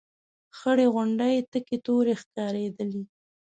خړې غونډۍ تکې تورې ښکارېدلې.